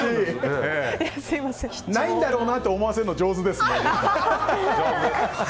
ないんだろうなって思わせるの、上手ですね。